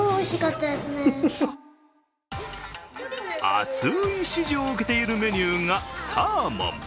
熱い支持を受けているメニューがサーモン。